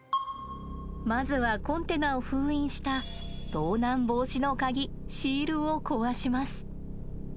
まずはコンテナを封印した盗難防止の鍵シールを壊します。